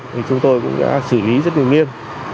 thì chúng tôi cũng đã xử lý rất nguyên liên